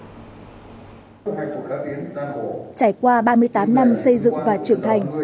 trải qua ba mươi tám năm xây dựng và trưởng thành